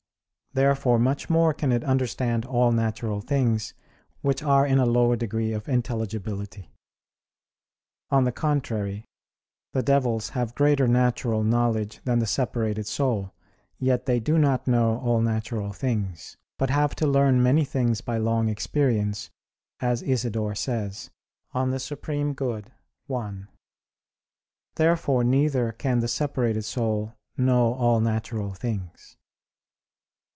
Therefore much more can it understand all natural things which are in a lower degree of intelligibility. On the contrary, The devils have greater natural knowledge than the separated soul; yet they do not know all natural things, but have to learn many things by long experience, as Isidore says (De Summo Bono i). Therefore neither can the separated soul know all natural things.